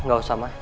gak usah ma